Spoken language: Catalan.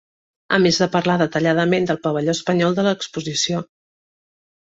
A més de parlar detalladament del pavelló espanyol de l'Exposició.